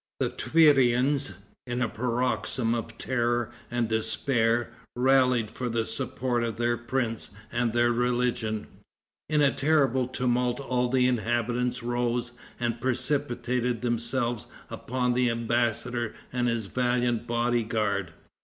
The Tverians, in a paroxysm of terror and despair, rallied for the support of their prince and their religion. In a terrible tumult all the inhabitants rose and precipated themselves upon the embassador and his valiant body guard.